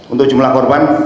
untuk jumlah korban